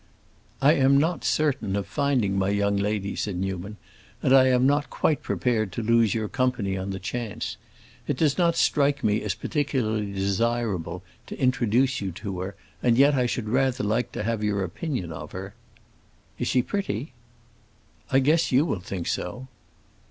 "I am not certain of finding my young lady," said Newman, "and I am not quite prepared to lose your company on the chance. It does not strike me as particularly desirable to introduce you to her, and yet I should rather like to have your opinion of her." "Is she pretty?" "I guess you will think so."